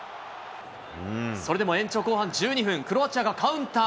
それでも延長後半１２分、クロアチアがカウンター。